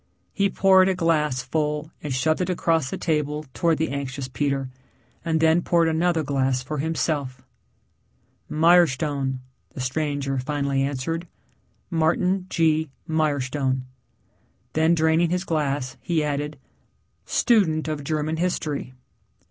He poured a glass full and shoved it across the table towards the anxious Peter, and then poured another glass for himself. "Mirestone," the stranger finally answered, "Martin G. Mirestone." Then, draining his glass, he added, "Student of German history."